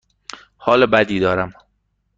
حال بدی دارم.